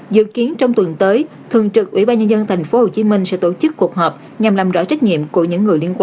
dự kiến trong tuần tới thường trực ủy ban nhân dân tp hcm sẽ tổ chức cuộc họp nhằm làm rõ trách nhiệm của những người liên quan